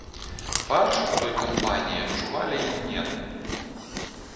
Фальш у той кампаніі адчувалі імгненна.